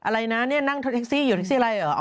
อะไรนะเนี่ยนั่งรถแท็กซี่อยู่แท็กซี่อะไรเหรอ